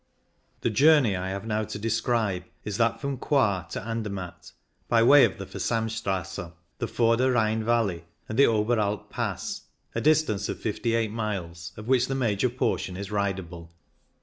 The journey I have now to describe is that from Coire to Andermatt, by way of the Versamstrasse, the Vorder Rhein valley, and the Oberalp Pass, a distance of 58 miles, of which the major portion is ridable.